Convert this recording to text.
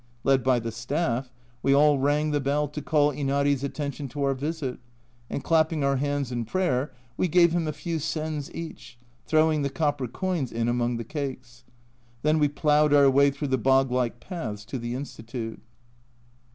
Led by the Staff, we all rang the bell to call Inari's attention to our visit, and clapping our hands in prayer we gave him a few sens each, throwing the copper coins in among the cakes. Then we ploughed our way through the bog like paths to the Institute.